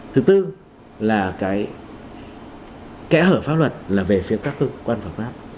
thứ tư là cái kẽ hở pháp luật là về phía các cơ quan pháp luật